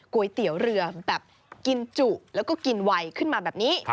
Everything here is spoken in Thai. ก๋วยเตี๋ยวเรือแบบกินจุแล้วก็กินไวขึ้นมาแบบนี้